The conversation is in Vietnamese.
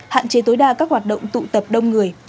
hạn chế tối đa các hoạt động tụ tập đông người